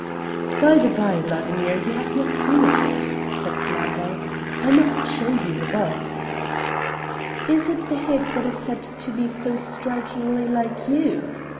"By the bye, Vladimir, you have not seen it yet," said Slawa, "I must show you the bust." "Is it the head that is said to be so strikingly like you?